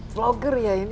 vlogger ya ini